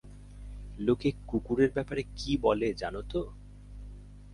লোকে কুকুরের ব্যাপারে কী বলে জানো তো?